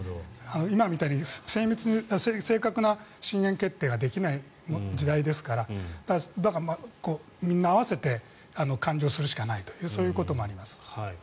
今みたいに正確な震源決定ができない時代ですからみんな合わせて勘定するしかないというそういうこともあります。